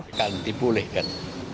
tidak akan dibolehkan